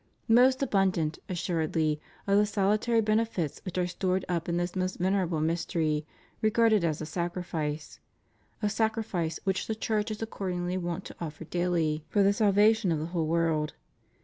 ' Most abundant, assuredly, are the salutary benefits which are stored up in this most venerable mystery, regarded as a Sacrifice; a Sacrifice which the Church is accordingly wont to offer daily "for the salvation of the whole world."